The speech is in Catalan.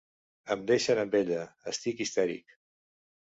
Em deixen amb ella, estic histèric.